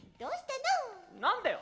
何だよ